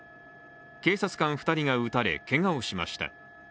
警察官２人が撃たれけがをしました。